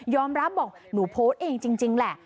รับบอกหนูโพสต์เองจริงแหละ